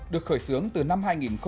được khởi xướng từ năm hai nghìn một mươi